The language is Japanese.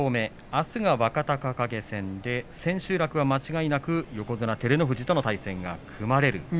あすが若隆景戦で千秋楽は間違いなく横綱照ノ富士との対戦が組まれる。